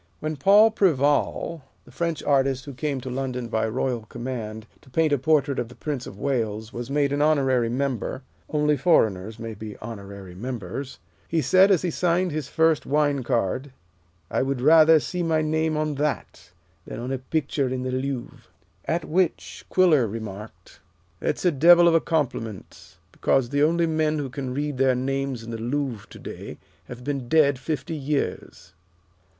When Paul Preval, the French artist who came to London by royal command to paint a portrait of the Prince of Wales, was made an honorary member only foreigners may be honorary members he said, as he signed his first wine card, "I would rather see my name on that, than on a picture in the Louvre." At which Quiller remarked, "That is a devil of a compliment, because the only men who can read their names in the Louvre to day have been dead fifty years."